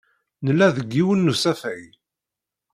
Nella deg yiwen n usafag.